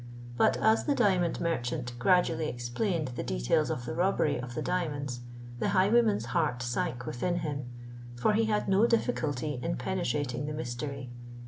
But as the diamond merchant gradually explained the details of the robbery of the diamonds, the highwayman's heart sank within him—for he had no difficulty in penetrating the mystery.